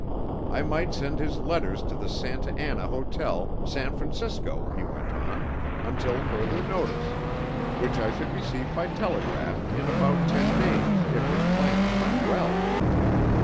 I might send his letters to the Santa Anna Hotel, San Francisco, he went on, until further notice, which I should receive by telegraph in about ten days if his plans went well.